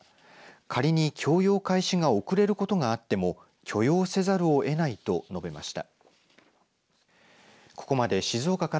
仮に供用開始が遅れることがあっても許容せざるをえないと述べました。